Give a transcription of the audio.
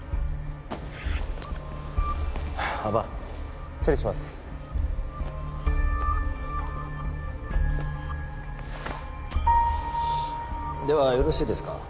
幅失礼しますではよろしいですか？